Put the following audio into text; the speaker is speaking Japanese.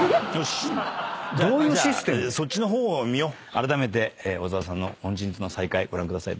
あらためて小澤さんの恩人との再会ご覧ください。